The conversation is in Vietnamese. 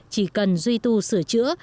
chỉ cần duy tu sửa chữa